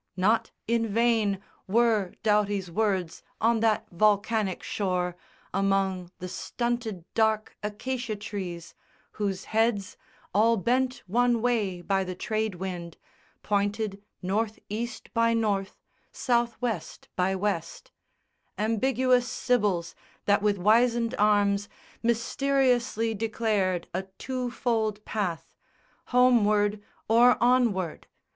Not in vain Were Doughty's words on that volcanic shore Among the stunted dark acacia trees, Whose heads, all bent one way by the trade wind, Pointed North east by North, South west by West Ambiguous sibyls that with wizened arms Mysteriously declared a twofold path, Homeward or onward.